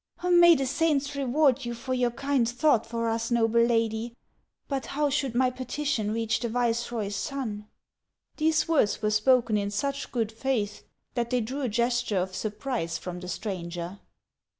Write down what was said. " May the saints reward you for your kind thought for us, noble lady; but how should my petition reach the viceroy's son ?" These words were spoken in such good faith that they drew a gesture of surprise from the stranger.